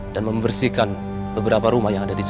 dan membersihkan beberapa rumah yang ada di sana